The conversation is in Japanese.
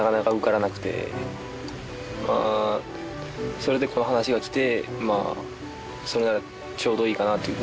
それでこの話が来てそれならちょうどいいかなという事で。